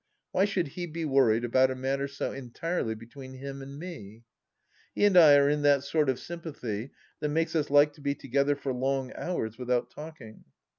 Why should he be worried about a matter so entirely between him and me ? He and I are in that sort of sympathy that makes us like to be together for long hours without talking.